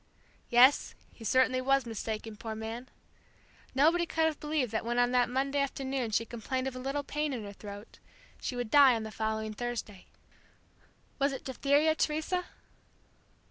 "Yes, he certainly was mistaken, poor man. Nobody could have believed that when on that Monday afternoon she complained of a little pain in her throat, she would die on the following Thursday." "Was it diphtheria, Teresa?"